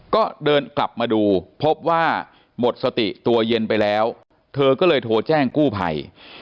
ก็เดินกลับมาดูพบว่าหมดสติตัวเย็นไปแล้วเธอก็เลยโทรแจ้งกู้ภัย